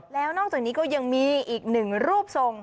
แล้วนอกจากนี้ก็ยังมีอีกหนึ่งรูปทรง